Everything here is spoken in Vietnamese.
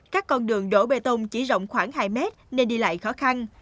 các con đường đổ bê tông chỉ rộng khoảng hai mét nên đi lại khó khăn